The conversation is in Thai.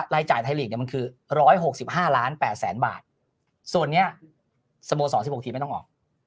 ไลน์จ่ายไทยหลีกมันคือ๑๖๕๘๐๐๐๐๐บาทส่วนนี้สโมสร๑๖ทีไม่ต้องออก